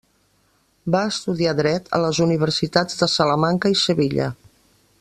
Va estudiar Dret a les universitats de Salamanca i Sevilla.